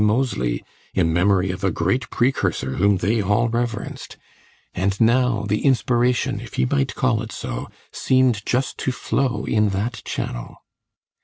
Moseley, in memory of a great precursor whom they all reverenced), and now the inspiration, if he might call it so, seemed just to flow in that channel.